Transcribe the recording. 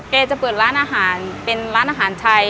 จะเปิดร้านอาหารเป็นร้านอาหารไทย